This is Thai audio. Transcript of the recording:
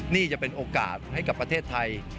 นี่จะเป็นโอกาสให้กับประเทศไทย